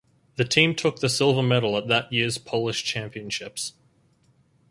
The team took the silver medal at that years Polish Championships.